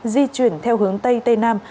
di chuyển theo hướng tây tây nam